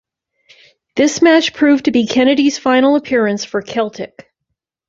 This match proved to be Kennedy's final appearance for Celtic.